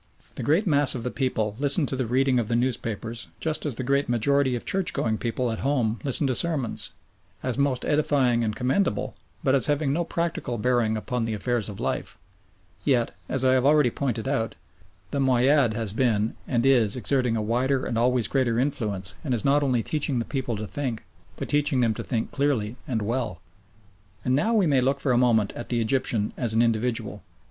The great mass of the people listen to the reading of the newspapers just as the great majority of church going people at home listen to sermons as most edifying and commendable, but as having no practical bearing upon the affairs of life yet, as I have already pointed out, the Moayyad has been, and is, exerting a wider and always growing influence, and is not only teaching the people to think, but teaching them to think clearly and well. And now we may look for a moment at the Egyptian as an individual.